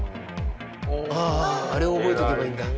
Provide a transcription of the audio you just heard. あああれを覚えておけばいいんだ。